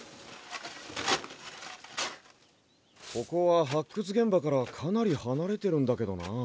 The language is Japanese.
ここは発掘現場からかなりはなれてるんだけどなあ。